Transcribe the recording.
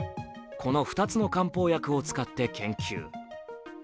この２つの漢方薬を使って研究。